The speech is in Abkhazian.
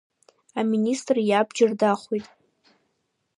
Аминистр иабџьар дахоит.